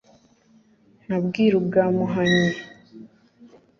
nka bwiru bwa muhanyi